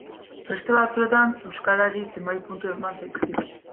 Beste batzuetan euskarari zenbait puntu eman zaizkio.